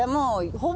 ほぼ！